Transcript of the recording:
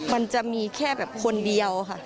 มันจะมีแค่แบบคนเดียวค่ะ